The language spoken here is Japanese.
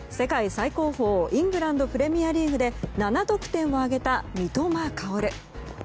最高峰イングランド・プレミアリーグで７得点を挙げた三笘薫。